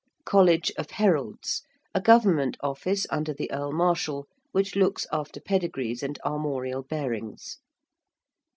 ~College of Heralds~: a Government office under the Earl Marshal which looks after pedigrees and armorial bearings.